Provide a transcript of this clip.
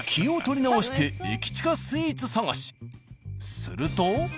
すると。